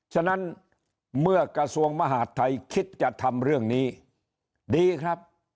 ฉะนั้นเมื่อกระทรวงมหาดไทยคิดจะทำเรื่องนี้ดีครับ